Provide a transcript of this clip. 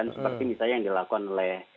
seperti misalnya yang dilakukan oleh